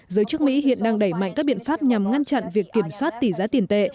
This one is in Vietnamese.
giới chức mỹ hiện đang đẩy mạnh các biện pháp nhằm ngăn chặn việc kiểm soát tỷ giá tiền tệ